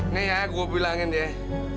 ini ya gue bilangin deh